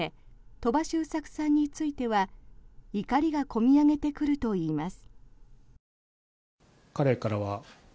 鳥羽周作さんについては怒りが込み上げてくるといいます。